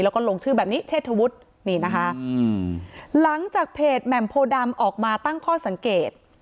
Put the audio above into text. แล้วก็ลงชื่อแบบนี้เชษฐวุฒินี่นะคะหลังจากเพจแหม่มโพดำออกมาตั้งข้อสังเกต